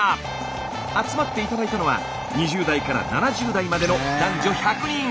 集まって頂いたのは２０代から７０代までの男女１００人！